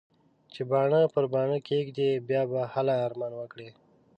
چې باڼه پر باڼه کېږدې؛ بيا به هله ارمان وکړې.